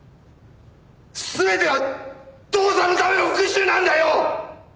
全ては父さんのための復讐なんだよ！